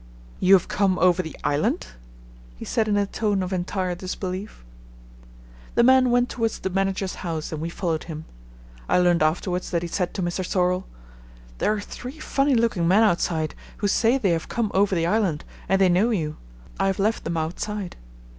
"You have come over the island?" he said in a tone of entire disbelief. The man went towards the manager's house and we followed him. I learned afterwards that he said to Mr. Sorlle: "There are three funny looking men outside, who say they have come over the island and they know you. I have left them outside."